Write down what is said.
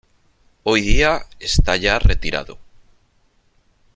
Hoy día está ya retirado.